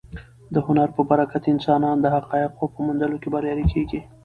د هنر په برکت انسان د حقایقو په موندلو کې بریالی کېږي.